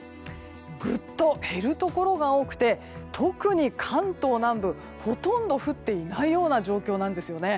ぐっと減るところが多くて特に関東南部ほとんど降っていないような状況なんですよね。